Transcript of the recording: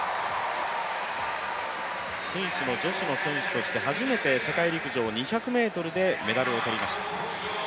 スイスの女子の選手として初めて世界陸上２００ｍでメダルを取りました。